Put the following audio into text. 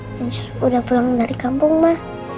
njus udah pulang dari kampung ma